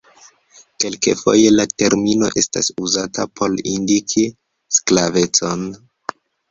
Kelkfoje la termino estas uzata por indiki sklavecon.